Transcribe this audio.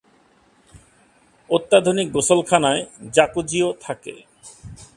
অত্যাধুনিক গোসলখানায় জাকুজি-ও থাকে।